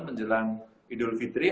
menjelang idul fitri